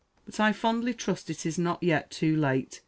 "But I fondly trust it is not yet too late.